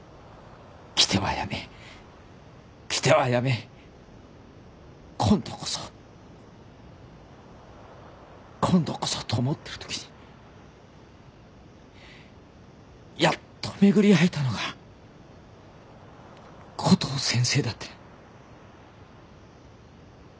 来ては辞め来ては辞め今度こそ今度こそと思ってるときにやっと巡り会えたのがコトー先生だった。